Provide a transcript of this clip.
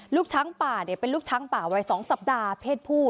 ลูกช้างป่าเป็นลูกช้างป่าวัย๒สัปดาห์เพศผู้